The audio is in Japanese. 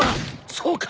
そうか！